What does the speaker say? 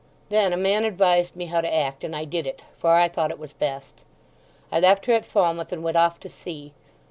Then a man advised me how to act, and I did it, for I thought it was best. I left her at Falmouth, and went off to sea.